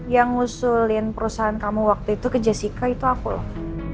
yang ngusulin perusahaan kamu waktu itu ke jessica itu aku loh